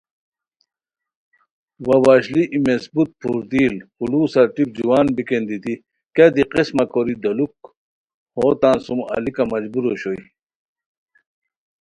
وا وشلی ای مضبوط, پھردل خلوصار ٹیپ جوان بیکین دیتی کیا دی قسمہ کوری دولوک ہو تان سُم الیکہ مجبور اوشوئے